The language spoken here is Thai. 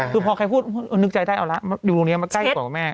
คือพอใครพูดนึกใจได้เอาละอยู่ตรงนี้มาใกล้กว่าแม่